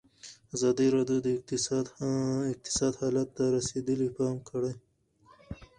ازادي راډیو د اقتصاد حالت ته رسېدلي پام کړی.